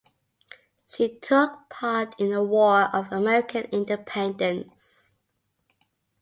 She took part in the War of American Independence.